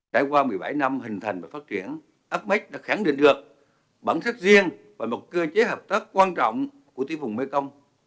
đã qua một mươi bảy năm hình thành và phát triển ames đã khẳng định được bản sắc riêng và một cơ chế hợp tác quan trọng của tiểu vùng mekong